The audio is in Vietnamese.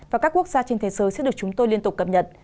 và các quốc gia trên thế giới sẽ được chúng tôi liên tục cập nhật